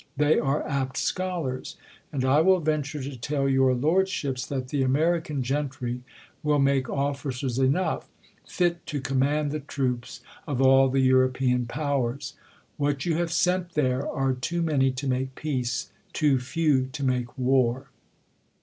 They are apt scholars ; and 1 will venture to tell your lordships, that the American gentry will make officers enough, fit to command the troops of all the European powers. What you have sent there are too many to make peace, too few to make v/ar.